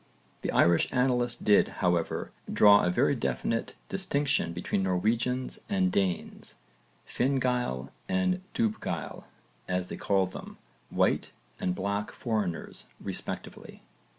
The Irish annalists did, however, draw a very definite distinction between Norwegians and Danes Finn gaill and Dubh gaill as they called them, i.e. White and Black Foreigners respectively.